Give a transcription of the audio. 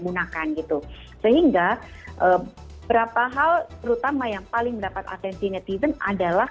gunakan gitu sehingga berapa hal terutama yang paling mendapat atensi netizen adalah